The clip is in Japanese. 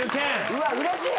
うわっうれしい！